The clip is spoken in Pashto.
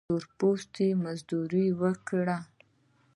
تور پوستي مزدوري وکړي.